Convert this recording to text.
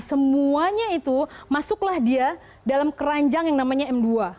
semuanya itu masuklah dia dalam keranjang yang namanya m dua